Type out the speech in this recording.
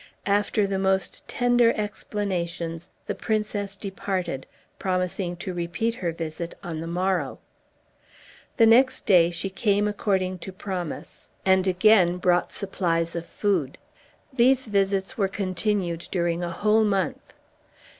After the most tender explanations the princess departed, promising to repeat her visit on the morrow. The next day she came according to promise, and again brought supplies of food. These visits were continued during a whole month.